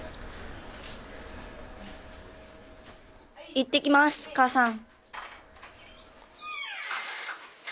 いってきます母さん。